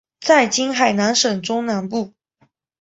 在今海南省中南部。